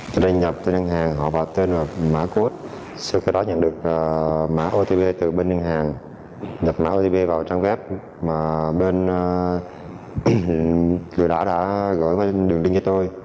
trước đó nhập tên ngân hàng họ vào tên và mã code sau khi đó nhận được mã otp từ bên ngân hàng nhập mã otp vào trang web mà bên vừa đã đã gửi qua đường điên cho tôi